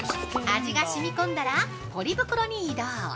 ◆味がしみこんだらポリ袋に移動。